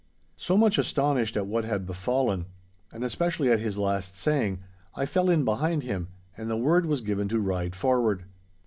So, much astonished at what had befallen, and especially at his last saying, I fell in behind him, and the word was given to ride forward.